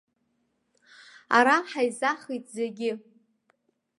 Ара ҳаизахит зегьы.